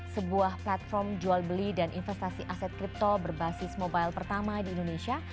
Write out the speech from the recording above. sebuah platform jual beli dan investasi aset kripto berbasis mobile pertama di indonesia